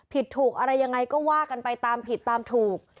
ผิดถูกอะไรยังไงก็ว่ากันไปตามผิดตามถูก